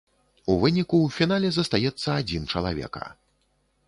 У выніку ў фінале застаецца адзін чалавека.